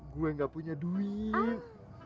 gua gak punya duit